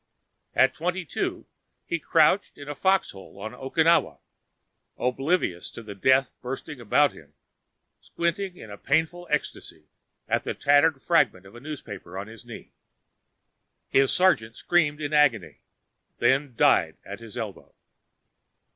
At twenty two, he crouched in a foxhole on Okinawa, oblivious to the death bursting about him, squinting in a painful ecstasy at the tattered fragment of newspaper on his knee. His sergeant screamed in agony, then died at his elbow.